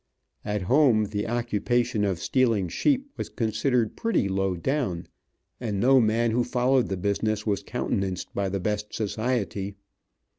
At home the occupation of stealing sheep was considered pretty low down, and no man who followed the business was countenanced by the best society.